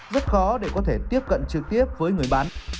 rất khó để có thể tiếp cận trực tiếp với người bán